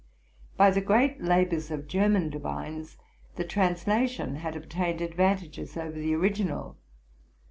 By the great labors of German divines the translation had obtained advantages over the original.